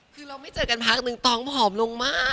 คือเราไม่เจอกันพักนึงตองผอมลงมาก